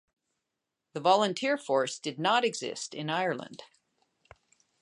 The Volunteer Force did not exist in Ireland.